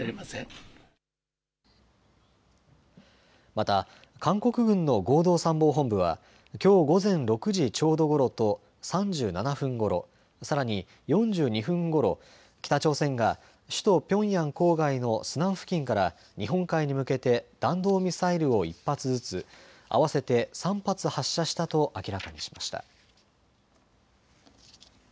また韓国軍の合同参謀本部はきょう午前６時ちょうどごろと３７分ごろ、さらに４２分ごろ、北朝鮮が首都ピョンヤン郊外のスナン付近から日本海に向けて弾道ミサイルを１発ずつ、合わせて３発発射したと明らかにしました。